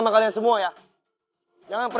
jalan lu jalan yang bener